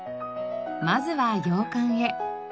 まずは洋館へ。